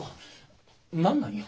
何なんよ？